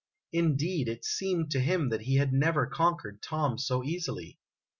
Indeed, it seemed to him he had never conquered Tom so easily.